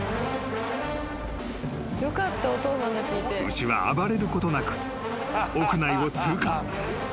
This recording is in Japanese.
［牛は暴れることなく屋内を通過］